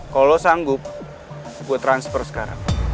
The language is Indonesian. kalau lo sanggup gue transfer sekarang